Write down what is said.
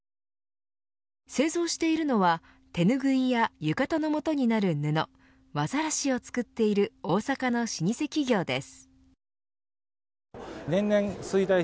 製造しているのは、手拭いや浴衣の元になる布和晒を作っている大阪の老舗企業です。